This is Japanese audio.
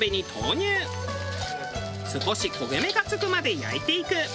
少し焦げ目がつくまで焼いていく。